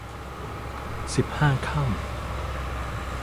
สิบห้าค่ำ